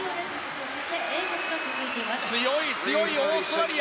強い強い、オーストラリア。